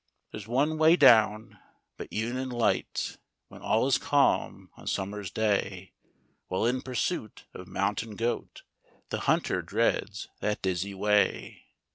HECTOR , THE DOG. There s one way down, but e'en in light, When all is calm, on summer's day, ., While in pursuit of mountain goat, The hunter dreads that dizzy way.